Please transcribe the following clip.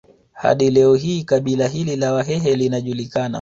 Hadi leo hii kabila hili la Wahee linajulikana